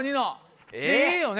いいよね。